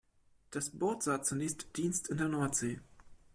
Das Boot sah zunächst Dienst in der Nordsee.